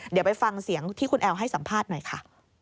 เดี๋ยวไปฟังเสียงที่คุณแอลให้สัมภาษณ์หน่อยค่ะ